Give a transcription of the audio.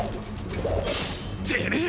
てめえ！